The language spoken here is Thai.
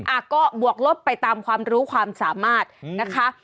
อ่ะก็บวกลบไปตามความรู้ความสามารถนะคะ